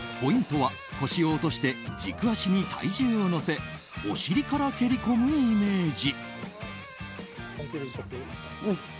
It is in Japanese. ポイントは腰を落として軸足に体重を乗せお尻から蹴り込むイメージ。